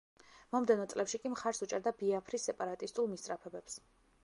მომდევნო წლებში კი მხარს უჭერდა ბიაფრის სეპარატისტულ მისწრაფებებს.